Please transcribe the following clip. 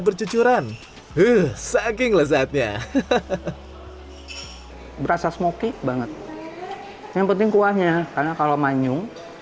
bercucuran eh saking lezatnya hahaha berasa smokey banget yang penting kuahnya karena kalau manyung